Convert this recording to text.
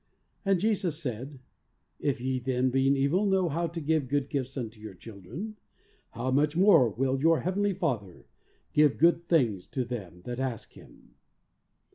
And Jesus said : "If ye then being evil, know how to give good gifts unto your children, how much more will your Heavenly Father give good things to them that ask Him."